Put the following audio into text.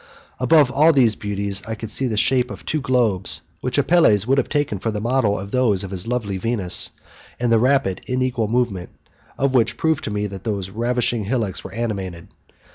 Above all those beauties, I could see the shape of two globes which Apelles would have taken for the model of those of his lovely Venus, and the rapid, inequal movement of which proved to me that those ravishing hillocks were animated.